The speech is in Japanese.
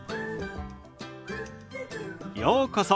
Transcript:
ようこそ。